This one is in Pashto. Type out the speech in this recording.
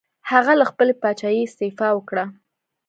هغه له خپلې پاچاهۍ استعفا وکړه.